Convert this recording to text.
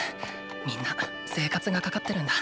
みんな生活がかかってるんだ。